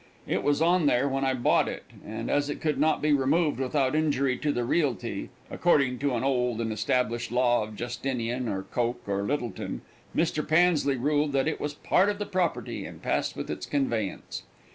It was on there when I bought it, and as it could not be removed without injury to the realty, according to an old and established law of Justinian or Coke or Littleton, Mr. Pansley ruled that it was part of the property and passed with its conveyance.